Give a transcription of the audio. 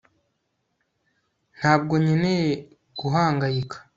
ntabwo nkeneye guhangayika